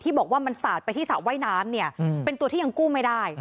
บอกว่ามันสาดไปที่สระว่ายน้ำเนี่ยเป็นตัวที่ยังกู้ไม่ได้